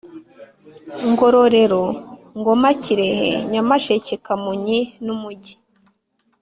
Ngororero Ngoma Kirehe Nyamasheke Kamonyi numujyi